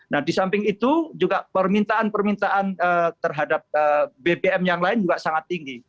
nah di samping itu juga permintaan permintaan terhadap bbm yang lain juga sangat tinggi